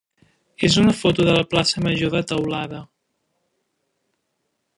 és una foto de la plaça major de Teulada.